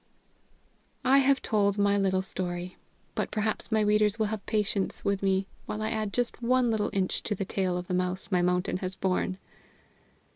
I have told my little story. But perhaps my readers will have patience with me while I add just one little inch to the tail of the mouse my mountain has borne.